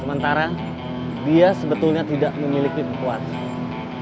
sementara dia sebetulnya tidak memiliki kekuatan